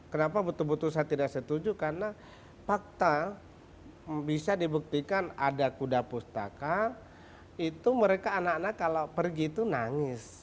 kenapa betul betul saya tidak setuju karena fakta bisa dibuktikan ada kuda pustaka itu mereka anak anak kalau pergi itu nangis